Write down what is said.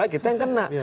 kita yang kena